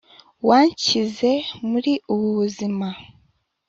wanshyize muri ubu buzima